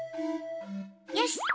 よし！